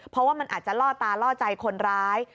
เพราะว่ามันอาจจะล่อตาล่อใจคนร้าย